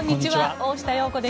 大下容子です。